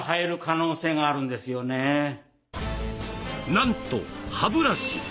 なんと歯ブラシ！